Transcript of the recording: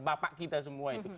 bapak kita semua itu